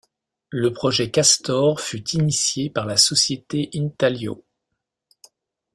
Le projet Castor fut initié par la société Intalio.